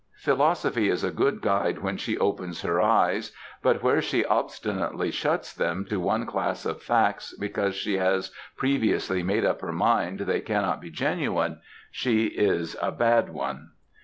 Philosophy is a good guide when she opens her eyes, but where she obstinately shuts them to one class of facts because she has previously made up her mind they cannot be genuine, she is a bad one.